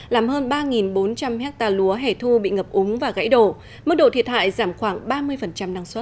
làm hơn ba bốn trăm linh hectare lúa hẻ thu bị ngập úng và gãy đổ mức độ thiệt hại giảm khoảng ba mươi năng suất